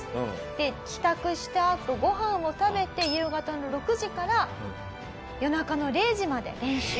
で帰宅したあとご飯を食べて夕方の６時から夜中の０時まで練習。